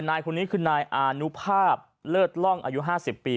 นายคนนี้คือนายอานุภาพเลิศล่องอายุ๕๐ปี